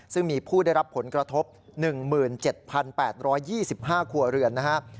ซึ่งมีผู้ได้รับผลกระทบ๑๗๘๒๕ครัวเรือนนะครับ